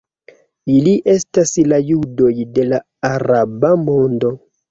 Ili estas la judoj de la araba mondo.